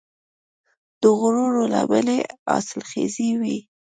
د غرونو لمنې حاصلخیزې وي.